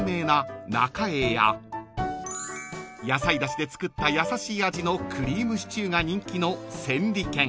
［野菜だしで作った優しい味のクリームシチューが人気の］